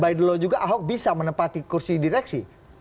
dan by the law juga ahok bisa menempati kursi direksi